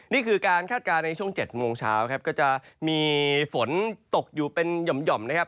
นี่คือการคาดการณ์ในช่วง๗โมงเช้าครับก็จะมีฝนตกอยู่เป็นหย่อมนะครับ